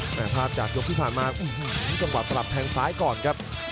แต่ภาพจากยกที่ผ่านมาจังหวะสลับแทงซ้ายก่อนครับ